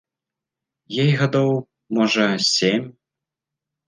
Ёй гадоў, можа, сем.